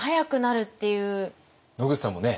野口さんもね